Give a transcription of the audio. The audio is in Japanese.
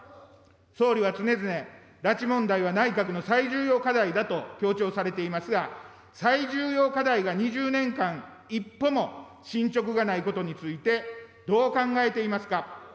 総理は常々、拉致問題は内閣の最重要課題だと強調されていますが、最重要課題が２０年間、一歩も進捗がないことについて、どう考えていますか。